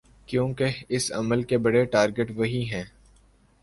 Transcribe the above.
کیونکہ اس عمل کے بڑے ٹارگٹ وہی ہیں۔